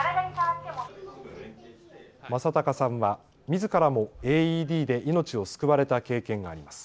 正隆さんはみずからもＡＥＤで命を救われた経験があります。